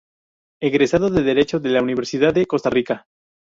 Egresado de Derecho de la Universidad de Costa Rica.